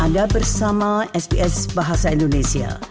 anda bersama sps bahasa indonesia